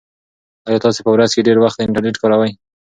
ایا تاسي په ورځ کې ډېر وخت انټرنيټ کاروئ؟